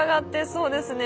そうですね。